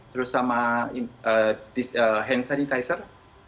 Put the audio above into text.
terus sama hand sanitizer